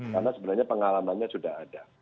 karena sebenarnya pengalamannya sudah ada